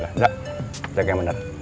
riza jaga yang benar